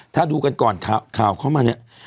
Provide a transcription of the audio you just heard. ถ้าดูกันก่อนข่าวเข้ามาเนี่ย